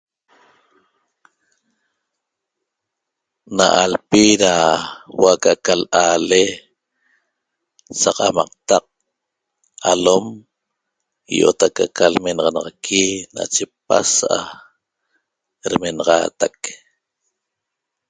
Na alpi da huo'o aca'aca la'ale saq amaqtac alom i'ot aca'aca lmenaxanaxaqui nache pasa'a demenaxaatac